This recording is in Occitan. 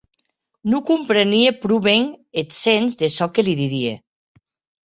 Non comprenie pro ben eth sens de çò que li didie.